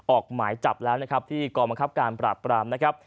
ออกหมายจับแล้วนะครับที่กองบังคับการปราบปรามนะครับ